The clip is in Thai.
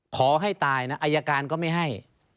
ขอให้ตายนะอายการก็ไม่ให้